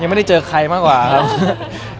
ไม่ได้เจอใครมากกว่าครับ